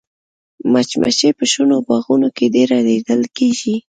مچمچۍ په شنو باغونو کې ډېره لیدل کېږي